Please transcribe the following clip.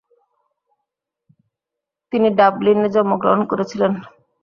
তিনি ডাবলিনে জন্মগ্রহণ করেছিলেন।